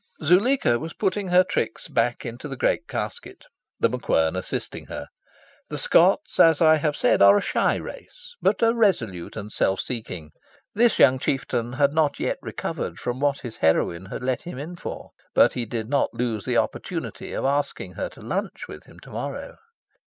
Zuleika was putting her tricks back into the great casket, The MacQuern assisting her. The Scots, as I have said, are a shy race, but a resolute and a self seeking. This young chieftain had not yet recovered from what his heroine had let him in for. But he did not lose the opportunity of asking her to lunch with him to morrow.